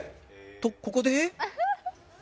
とここで